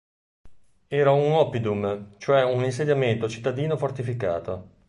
Era un Oppidum, cioè un insediamento cittadino fortificato.